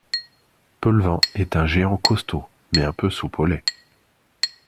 Peulvan est un géant costaud, mais un peu soupe au lait.